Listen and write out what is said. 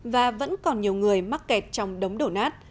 và vẫn còn nhiều người mắc kẹt trong đống đổ nát